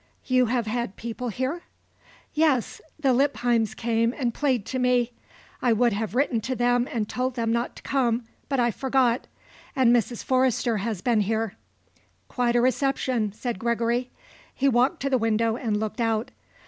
"You have had people here?" "Yes. The Lippheims came and played to me. I would have written to them and told them not to come; but I forgot. And Mrs. Forrester has been here." "Quite a reception," said Gregory. He walked to the window and looked out.